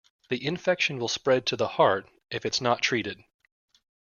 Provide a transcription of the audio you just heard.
The infection will spread to the heart if it's not treated.